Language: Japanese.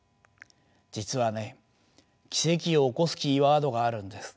実はね奇跡を起こすキーワードがあるんです。